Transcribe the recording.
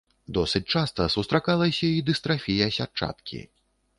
Досыць часта сустракалася і дыстрафія сятчаткі.